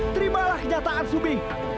terimalah kenyataan subi